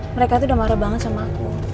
mereka tuh udah marah banget sama aku